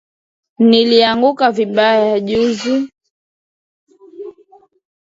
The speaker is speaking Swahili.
Nilianguka vibaya juzi